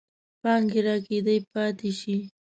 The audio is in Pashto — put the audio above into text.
پانګې راکدې پاتې شي.